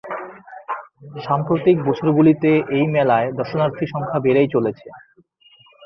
সাম্প্রতিক বছরগুলিতে এই মেলায় দর্শনার্থী সংখ্যা বেড়েই চলেছে।